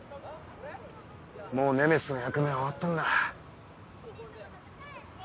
もうネメシスの役目は終わったんだ。